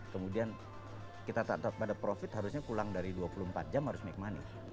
kemudian kita tetap pada profit harusnya pulang dari dua puluh empat jam harus make money